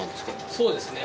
そうですね。